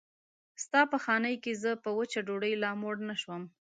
ستا په خانۍ کې زه په وچه ډوډۍ لا موړ نه شوم.